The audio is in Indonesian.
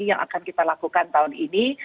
jadi yang akan kita lakukan tahun ini